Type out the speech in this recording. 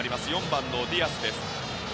４番のディアス。